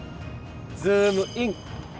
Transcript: ズームイン！！